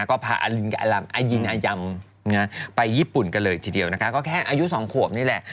ก็พาอายินอายัมไปญี่ปุ่นกันเลยทีเดียวนะคะก็แค่อายุ๒ขวบนี่แหละ